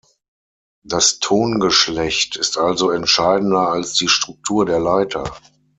Das Tongeschlecht ist also entscheidender als die Struktur der Leiter.